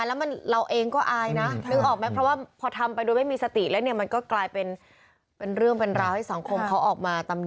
สุดท้ายเจอรถพยาบาลหลบเถอะครับ